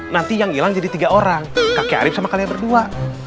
nanti yang hilang jadi tiga orang kakek arief sama kalian berdua